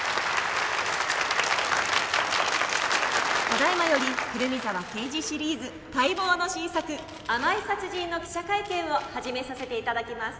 ただ今より『胡桃沢啓二シリーズ』待望の新作『甘い殺人』の記者会見を始めさせていただきます。